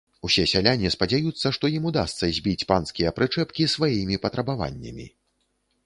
Усе сяляне спадзяюцца, што ім удасца збіць панскія прычэпкі сваімі патрабаваннямі.